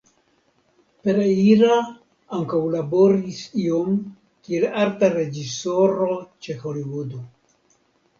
Pereira ankaŭ laboris iom kiel arta reĝisoro ĉe Holivudo.